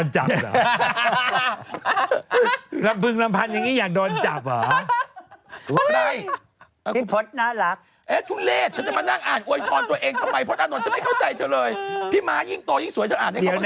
ชื่ออะไรน่ะ